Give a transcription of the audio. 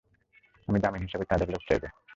আমি জামিন হিসেবে তাদের লোক চাইব।